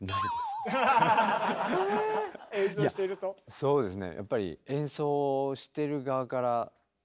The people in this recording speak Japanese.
そうですね